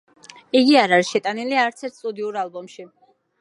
იგი არ არის შეტანილი არც ერთ სტუდიურ ალბომში.